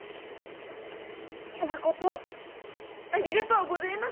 まことありがとうごぜえます。